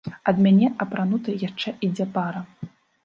Ад мяне, апранутай, яшчэ ідзе пара.